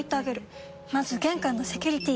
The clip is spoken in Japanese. まず玄関のセキュリティ！